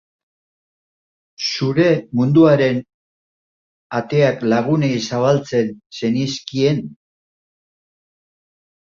Zure munduaren ateak lagunei zabaltzen zenizkien?